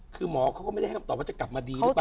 คือหมอเขาก็ไม่ได้ให้คำตอบว่าจะกลับมาดีหรือเปล่า